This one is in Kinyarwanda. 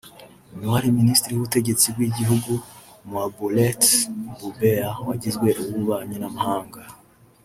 n’uwari Minisitiri w’Ubutegetsi bw’Igihugu Maoubelet Boubeya wagizwe uw’Ububanyi n’Amahanga